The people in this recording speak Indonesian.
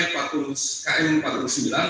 km empat puluh sembilan dan berusaha berubah